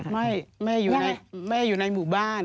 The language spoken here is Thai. แม่อยู่ในหมู่บ้าน